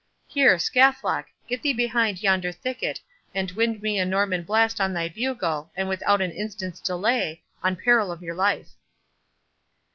—Here, Scathlock, get thee behind yonder thicket, and wind me a Norman blast on thy bugle, and without an instant's delay on peril of your life."